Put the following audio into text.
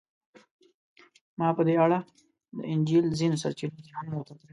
ما په دې اړه د انجیل ځینو سرچینو ته هم وکتل.